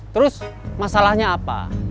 terus masalahnya apa